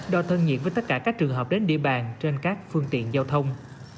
đòi thân nhiện với tất cả các trường hợp đến địa bàn trên các phương tiện giao thông